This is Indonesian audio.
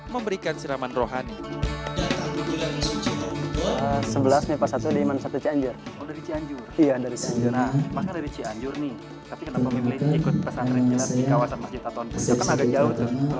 memberikan siraman rohani sebelasnya pasal satu ratus lima puluh satu cianjur iya dari cianjur maka dari cianjur nih